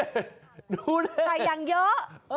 ใส่อย่างเยอะ